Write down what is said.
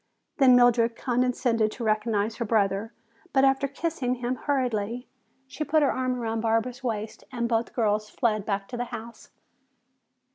Then Mildred condescended to recognize her brother. But after kissing him hurriedly, she put her arm about Barbara's waist and both girls fled back to the house.